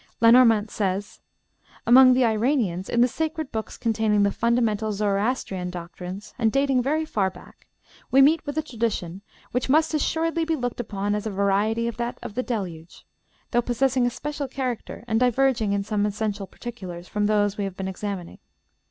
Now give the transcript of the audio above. Lenormant says: "Among the Iranians, in the sacred books containing the fundamental Zoroastrian doctrines, and dating very far back, we meet with a tradition which must assuredly be looked upon as a variety of that of the Deluge, though possessing a special character, and diverging in some essential particulars from those we have been examining.